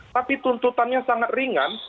tapi tuntutannya sangat ringan